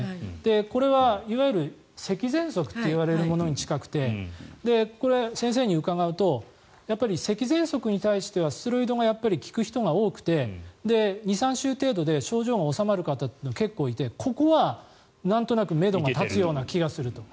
これはいわゆる、せきぜんそくといわれるものに近くてこれ、先生に伺うとせきぜんそくに対してはステロイドがやっぱり効く人が多くて２３週程度で症状が治まる方が結構いてここはなんとなくめどが立つ気がすると。